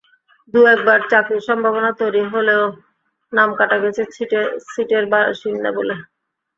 দু-একবার চাকরির সম্ভাবনা তৈরি হলেও নাম কাটা গেছে ছিটের বাসিন্দা বলে।